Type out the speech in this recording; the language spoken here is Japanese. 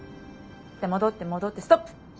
戻って戻ってストップ。